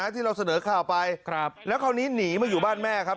ที่เราเสนอข่าวไปแล้วคราวนี้หนีมาอยู่บ้านแม่ครับ